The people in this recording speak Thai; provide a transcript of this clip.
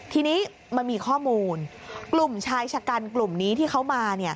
ทีนี้มันมีข้อมูลกลุ่มชายชะกันกลุ่มนี้ที่เขามา